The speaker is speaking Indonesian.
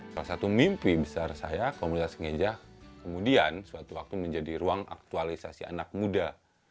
salah satu mimpi besar saya komunitas ngeja kemudian suatu waktu menjadi ruang aktualisasi anak muda